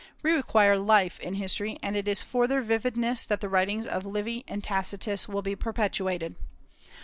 We require life in history, and it is for their vividness that the writings of Livy and Tacitus will be perpetuated.